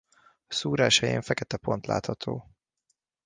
A szúrás helyén fekete pont látható.